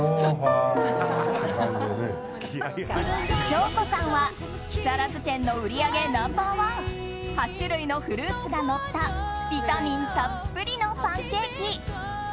京子さんは木更津店の売り上げナンバーワン８種類のフルーツがのったビタミンたっぷりのパンケーキ。